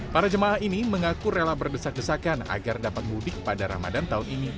para jemaah ini mengaku rela berdesak desakan agar dapat mudik pada ramadan tahun ini